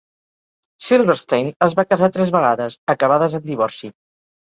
Silverstein es va casar tres vegades, acabades en divorci.